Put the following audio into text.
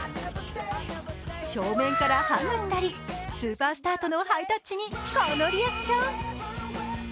正面からハグしたり、スーパースターとのハイタッチにこのリアクション。